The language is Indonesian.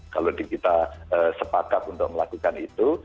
kalau kita sepakat untuk melakukan itu